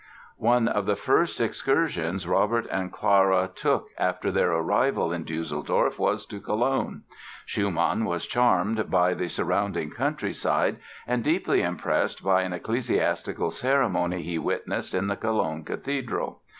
One of the first excursions Robert and Clara took after their arrival in Düsseldorf was to Cologne. Schumann was charmed by the surrounding countryside and deeply impressed by an ecclesiastical ceremony he witnessed in the Cologne Cathedral.